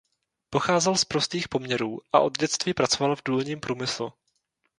Pocházel z prostých poměrů a od dětství pracoval v důlním průmyslu.